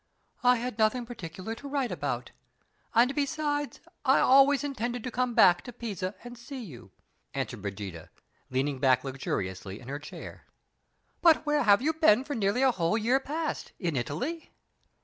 "I had nothing particular to write about; and besides, I always intended to come back to Pisa and see you," answered Brigida, leaning back luxuriously in her chair. "But where have you been for nearly a whole year past? In Italy?"